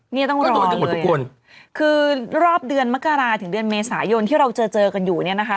นี่ต้องรอเลยคือรอบเดือนมกราศาสตร์ถึงเดือนเมษายนที่เราเจอกันอยู่เนี่ยนะคะ